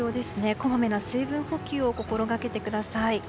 こまめな水分補給を心がけてください。